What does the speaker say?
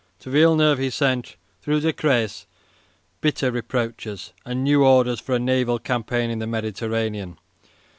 To Villeneuve he sent, through Decrès, bitter reproaches and new orders for a naval campaign in the Mediterranean.